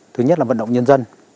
thứ nhất là vận động nhân dân